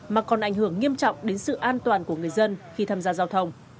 mà còn ảnh hưởng nghiêm trọng đến sự an toàn của người dân khi tham gia giao thông